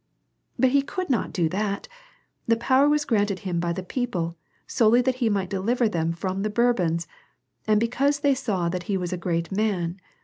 "But he could not do that. The power was granted him by the people, solely that he might deliver them from the Bourbons, and because they saw that he was a great man.